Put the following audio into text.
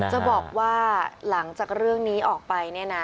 จะบอกว่าหลังจากเรื่องนี้ออกไปเนี่ยนะ